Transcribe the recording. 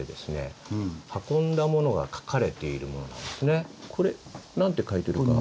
実はこれこれ何て書いてるか。